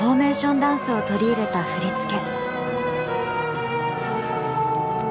ダンスを取り入れた振り付け。